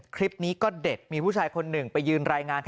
คลิปนี้ก็เด็ดมีผู้ชายคนหนึ่งไปยืนรายงาน